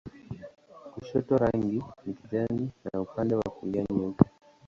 Kushoto rangi ni kijani na upande wa kulia nyeupe.